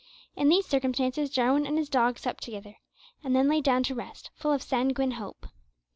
In these circumstances Jarwin and his dog supped together, and then lay down to rest, full of sanguine hope.